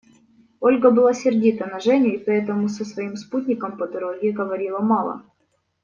Ольга была сердита на Женю и поэтому со своим спутником по дороге говорила мало.